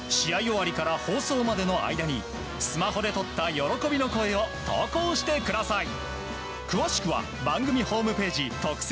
終わりから放送までの間にスマホで撮った喜びの声を投稿してください。